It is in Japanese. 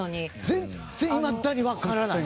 全然いまだにわからない。